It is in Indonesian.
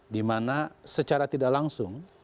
dimana secara tidak langsung